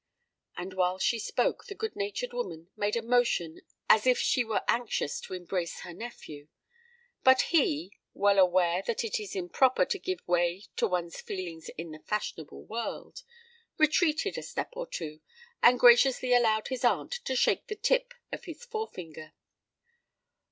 And, while she spoke, the good natured woman made a motion as if she were anxious to embrace her nephew; but he—well aware that it is improper to give way to one's feelings in the fashionable world—retreated a step or two, and graciously allowed his aunt to shake the tip of his fore finger.